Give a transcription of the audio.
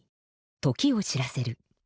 時を知らせる。